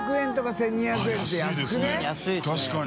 確かに。